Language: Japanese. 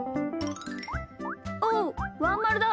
おっワンまるだ。